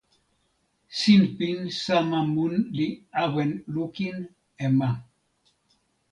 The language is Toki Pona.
sinpin sama mun li awen lukin e ma.